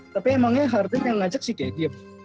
tapi emangnya harden yang ngajak si kd